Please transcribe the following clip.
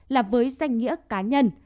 là một danh nghĩa cá nhân